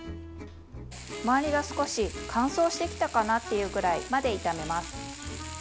周りが少し乾燥してきたかなというくらいまで炒めます。